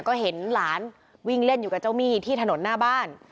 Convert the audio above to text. ก็เห็นหลานวิ่งเล่นอยู่กับเจ้าหนี้ที่ถนนหน้าบ้าน